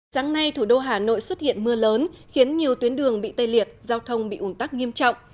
sáng nay thủ đô hà nội xuất hiện mưa lớn khiến nhiều tuyến đường bị tê liệt giao thông bị ủn tắc nghiêm trọng